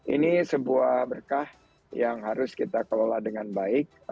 ini sebuah berkah yang harus kita kelola dengan baik